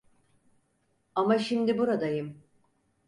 Ama şimdi buradayım.